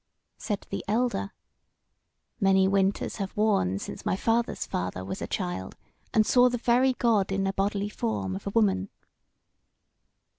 Said the elder: "Many winters have worn since my father's father was a child, and saw the very God in the bodily form of a woman."